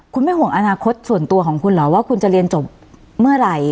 คุณไม่ห่วงอนาคตส่วนตัวของคุณเหรอว่าคุณจะเรียนจบเมื่อไหร่